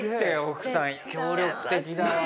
奥さん協力的だわ。